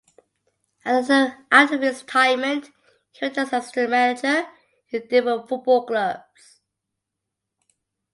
After his retirement he worked as an assistant manager in the different football clubs.